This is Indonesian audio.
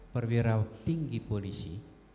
perwira tinggi polisi